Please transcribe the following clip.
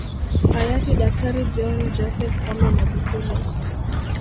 Hayati Daktari John Joseph Pombe Magufuli